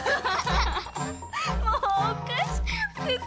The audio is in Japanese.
もうおかしくってさ。